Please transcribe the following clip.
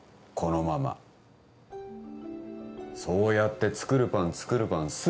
このままそうやって作るパン作るパン